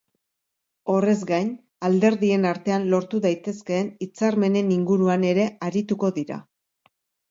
Horrez gain, alderdien artean lortu daitezkeen hitzarmenen inguruan ere arituko dira.